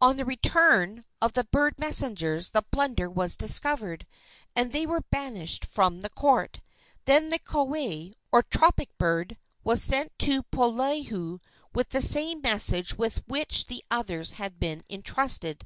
On the return of the bird messengers the blunder was discovered, and they were banished from the court. Then the koae, or tropic bird, was sent to Poliahu with the same message with which the others had been entrusted.